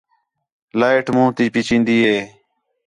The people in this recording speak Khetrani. لائٹ مُون٘ھ تی پئی چین٘دی ہے